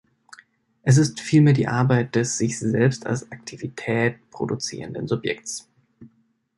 Es ist vielmehr die Arbeit des sich selbst als Aktivität produzierenden Subjekts.